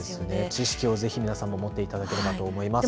知識をぜひ皆さんも持っていただければと思います。